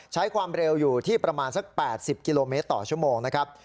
ใช้ความเร็วอยู่ที่ประมาณสัก๘๐กิโลเมตรต่อชั่วโมงนะครับ